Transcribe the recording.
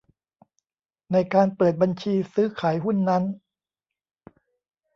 ในการเปิดบัญชีซื้อขายหุ้นนั้น